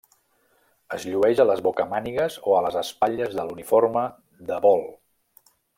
Es llueix a les bocamànigues o a les espatlles de l'uniforme de vol.